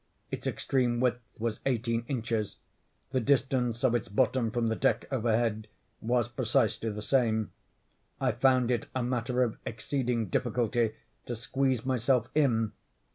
Its extreme width was eighteen inches. The distance of its bottom from the deck overhead was precisely the same. I found it a matter of exceeding difficulty to squeeze myself in.